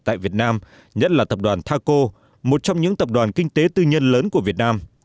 tại việt nam nhất là tập đoàn taco một trong những tập đoàn kinh tế tư nhân lớn của việt nam